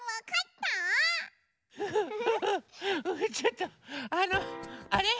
ちょっとあのあれ？